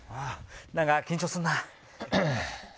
何か、緊張するな。